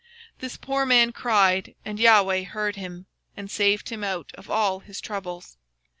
This poor man cried, and the LORD heard him, And saved him out of all his troubles.